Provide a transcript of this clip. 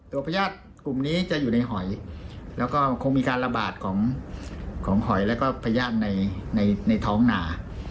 พญาติกลุ่มนี้จะอยู่ในหอยแล้วก็คงมีการระบาดของหอยแล้วก็พญาติในในท้องหนา